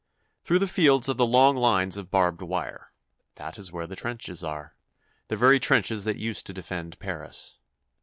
Through the fields are the long lines of barbed wire. That is where the trenches are. The very trenches that used to defend Paris.